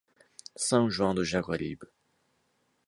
São João do Jaguaribe